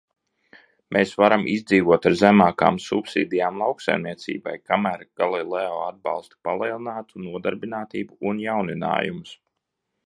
Mēs varam izdzīvot ar zemākām subsīdijām lauksaimniecībai, kamēr Galileo atbalsta palielinātu nodarbinātību un jauninājumus.